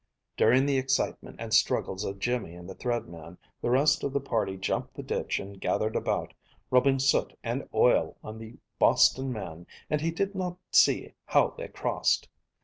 During the excitement and struggles of Jimmy and the Thread Man, the rest of the party jumped the ditch and gathered about, rubbing soot and oil on the Boston man, and he did not see how they crossed.